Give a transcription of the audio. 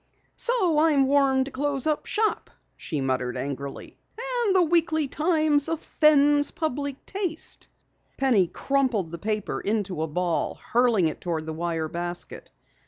"So I am warned to close shop!" she muttered angrily. "And the Weekly Times offends public taste!" Penny crumpled the paper into a ball, hurling it toward the wire basket.